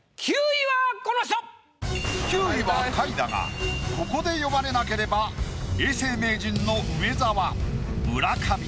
９位は下位だがここで呼ばれなければ永世名人の梅沢村上